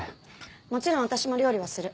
もちろん私も料理はする。